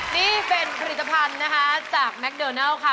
นี่เป็นผลิตภัณฑ์นะคะจากแมคโดนัลค่ะ